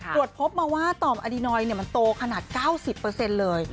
ตรวจพบมาว่าตอมอดินอยด์เนี่ยมันโตขนาด๙๐เลย